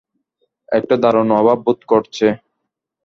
একটা দারুণ অভাব বোধ করছে।